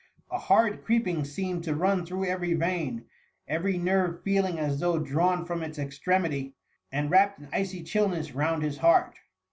A horrid creeping seemed to run through every vein, every nerve feel ing as though drawn from its extremity, and wrapped in icy chillness round his heart.